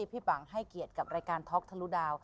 ป่างให้เกียรติกับรายการท็อกทะลุดาว